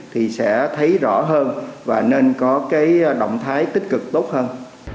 thì sẽ thấy rõ hơn và nên có cái động thái tích cực tốt hơn